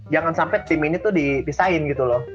jangan sampai tim ini tuh dipisahin gitu loh